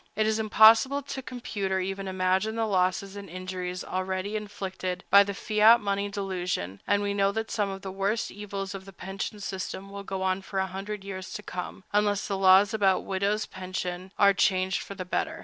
It is impossible to compute or even imagine the losses and injuries already inflicted by the fiat money delusion; and we know that some of the worst evils of the pension system will go on for a hundred years to come, unless the laws about widows' pensions are changed for the better.